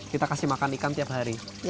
kita kasih makan ikan tiap hari